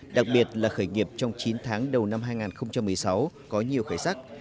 đặc biệt là khởi nghiệp trong chín tháng đầu năm hai nghìn một mươi sáu có nhiều khởi sắc